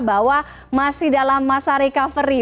bahwa masih dalam masa recovery